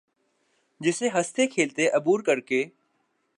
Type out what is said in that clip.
جسے ہنستے کھیلتے عبور کر کے